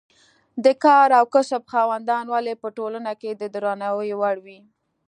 د کار او کسب خاوندان ولې په ټولنه کې د درناوي وړ وي.